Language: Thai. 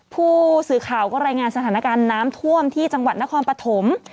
ผู้สื่อข่าวก็รายงานสถานการณ์น้ำท่วมที่จังหวัดนครปฐม